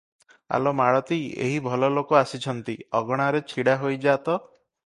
ଆଲୋ ମାଳତୀ! ଏହି ଭଲଲୋକ ଆସିଛନ୍ତି, ଅଗଣାରେ ଛିଡ଼ା ହୋଇଯା ତ ।